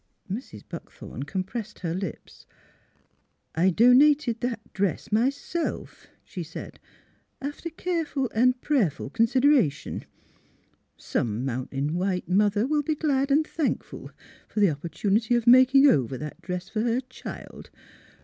Mrs. Buckthorn compressed her lips. " I donated that dress myself," she said, 298 THE PARISH HEARS THE NEWS 299 *' after careful an' prayerful consideration. Some Mountain White mother will be glad an' thankful for the opportunity of making over that dress for her child.